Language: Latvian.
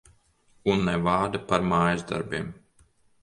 Un ne vārda par mājasdarbiem.